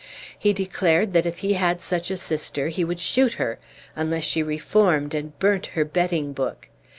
He declared that if he had such a sister he would shoot her, unless she reformed and burnt her betting book.